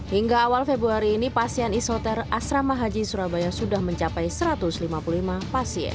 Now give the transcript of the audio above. hingga awal februari ini pasien isoter asrama haji sukolilo surabaya pun selasa pagi langsung melakukan perbaikan